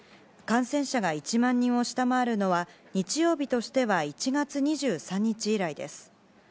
感染者が１万人を下回るのは日曜日としては１月２３日以来です。